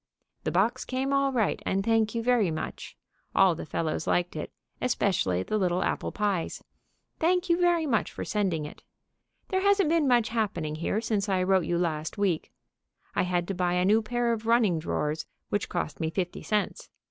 The box came all right, and thank you very much. All the fellows liked it, especially the little apple pies. Thank you very much for sending it. There hasn't much been happening here since I wrote you last week. I had to buy a new pair of running drawers, which cost me fifty cents.